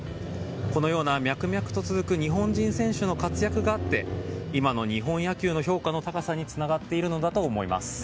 このような脈々と続く日本人選手の活躍があって今の日本野球の評価の高さにつながっているんだと思います。